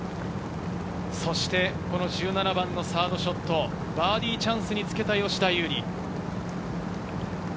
そしてこの１７番のサードショット、バーディーチャンスにつけた吉田優利。